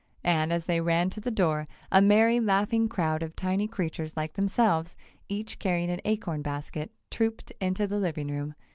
And as they ran to the door a merry, laughing crowd of tiny creatures like themselves, each carrying an acorn basket, trooped into the living room.